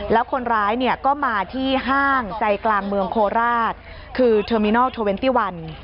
แล้วคนร้ายก็มาที่ห้างใจกลางเมืองโคราชคือเทอร์มินัล๒๑